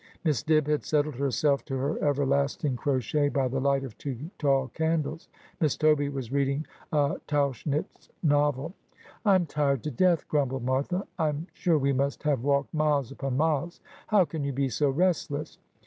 Miss Dibb had settled herself to her everlasting crochet by the light of two tall candles. Miss Toby was reading a Tauch nitz novel. ' I'm tired to death,' grumbled Martha. ' I'm sure we must have walked miles upon miles. How can you be so restless